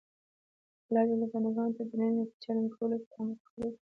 الله ج بنده ګانو ته د نرمۍ په چلند کولو سره امر کړی ده.